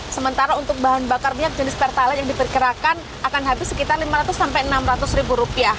sementara untuk bahan bakar minyak jenis pertalite yang diperkirakan akan habis sekitar rp lima ratus sampai rp enam ratus